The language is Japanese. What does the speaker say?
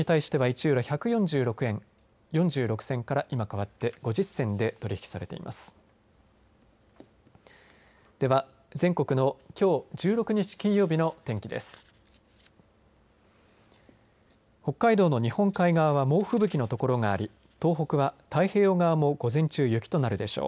北海道の日本海側は猛吹雪の所があり東北は太平洋側も午前中、雪となるでしょう。